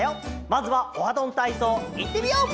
まずは「オハどんたいそう」いってみよう！